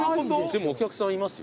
でもお客さんはいますよ。